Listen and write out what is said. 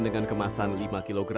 dengan kemasan lima kg